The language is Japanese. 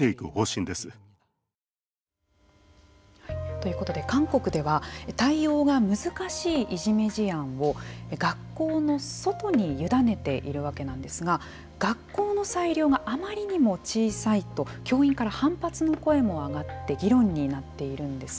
ということで韓国では対応が難しいいじめ事案を学校の外に委ねているわけなんですが学校の裁量があまりにも小さいと教員から反発の声も上がって議論になっているんです。